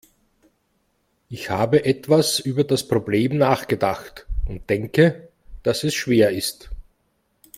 Ich habe etwas über das Problem nachgedacht und denke, dass es schwer ist.